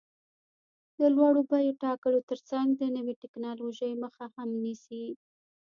د لوړو بیو ټاکلو ترڅنګ د نوې ټکنالوژۍ مخه هم نیسي.